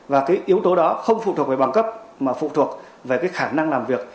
và cái yếu tố đó không phụ thuộc về bằng cấp mà phụ thuộc về cái khả năng làm việc